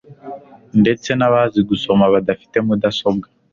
ndetse n'abazi gusoma badafite mudasobwa